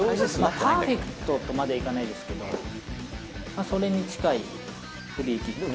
パーフェクトまではいかないですけど、それに近いフリーキック。